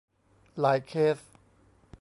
หลายเคส